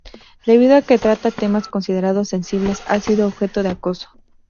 Debido a que trata temas considerados sensibles, ha sido objeto de acoso.